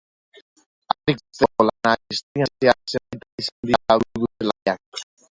Arrikurutzeko landak historian zehar zenbait aldiz izan dira gudu-zelaiak.